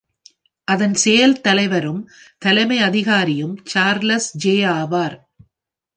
அதன் செயல் தலைவரும் தலைமையதிகாரியும் சார்லஸ் ஜே ஆவார்.